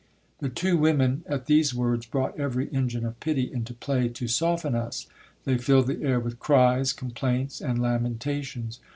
The two women, at these words, brought every engine of pity into play to soften us. They filled the air with cries, complaints, and lamentations.